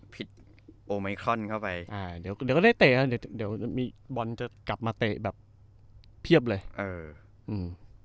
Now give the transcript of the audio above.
พิดโอไมคลอนเข้าไปอ่าเดี๋ยวก็ได้เตะอ่ะเดี๋ยวมีบอลจะกลับมาเตะแบบเพียบเลยเอออืม